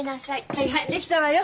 はいはい出来たわよ！